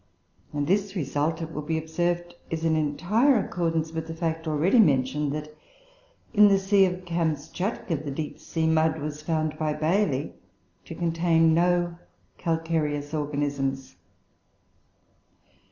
And this result, it will be observed, is in entire accordance with the fact already mentioned that, in the sea of Kamschatka, the deep sea mud was found by Bailey to contain no calcareous organisms.